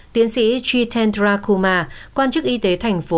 tiến sĩ chitendra kumar quan chức y tế thành phố